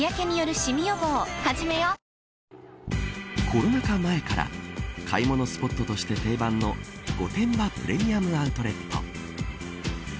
コロナ禍前から買い物スポットとして定番の御殿場プレミアム・アウトレット。